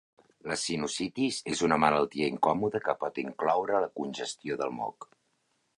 La sinusitis és una malaltia incòmoda que pot incloure la congestió del moc.